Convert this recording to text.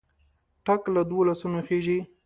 ټک له دوو لاسونو خېژي.